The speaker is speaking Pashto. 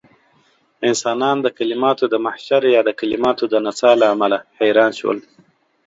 انسانان د کليماتو د محشر يا د کليماتو د نڅاه له امله حيران شول.